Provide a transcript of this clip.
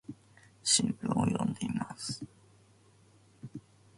新聞を読んでいます。